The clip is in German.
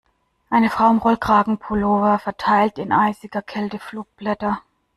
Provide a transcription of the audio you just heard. Eine Frau in Rollkragenpullover verteilt in eisiger Kälte Flugblätter.